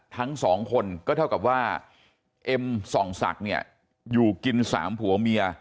ทั้งสองคนก็เท่ากับว่าเอ็มส่องศักดิ์เนี่ยอยู่กินสามผัวเมีย